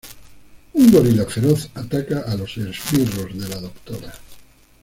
Un gorila feroz ataca a los esbirros de la Dra.